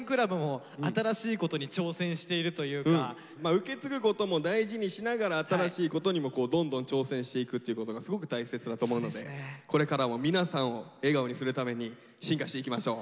受け継ぐことも大事にしながら新しいことにもどんどん挑戦していくっていうことがすごく大切だと思うのでこれからも皆さんを笑顔にするために進化していきましょう。